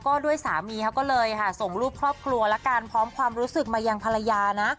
ก็ด้วยสามีเขาก็เลยค่ะส่งรูปครอบครัวละกันพร้อมความรู้สึกมายังภรรยานะ